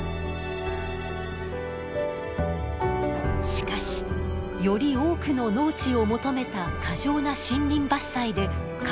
しかしより多くの農地を求めた過剰な森林伐採で環境が悪化。